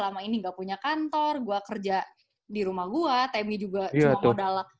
ada wildcard sih ke caleb ini tuh